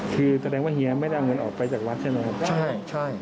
คือแสดงว่าเฮียไม่ได้เอาเงินออกไปสมัครลักษณ์ใช่ไหม